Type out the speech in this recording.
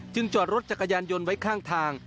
จอดรถจักรยานยนต์ไว้ข้างทาง